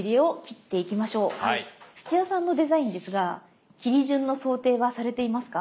土屋さんのデザインですが切り順の想定はされていますか？